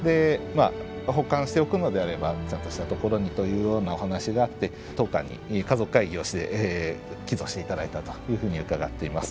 保管しておくのであればちゃんとしたところにというようなお話があって当館に家族会議をして寄贈して頂いたというふうに伺っています。